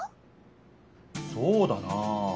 そうだなあ。